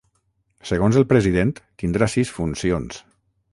Segons el president, tindrà sis funcions.